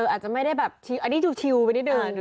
อาจจะไม่ได้แบบชิลอันนี้ชิลไปนิดนึง